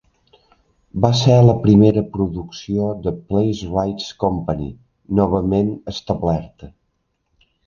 Va ser la primera producció de Playwrights' Company, novament establerta.